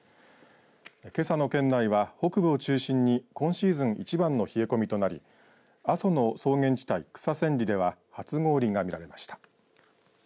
けさの県内は北部を中心に今シーズンいちばんの冷え込みとなり阿蘇の草原地帯、草千里では初氷が見られました。